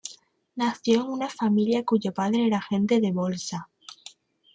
Nació en una familia cuyo padre era agente de bolsa.